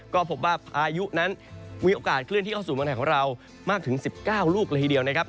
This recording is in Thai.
ก็พบว่าพายุนั้นมีโอกาสเคลื่อนที่เข้าสู่เมืองไทยของเรามากถึง๑๙ลูกละทีเดียวนะครับ